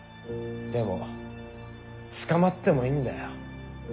でも捕まってもいいんだよ。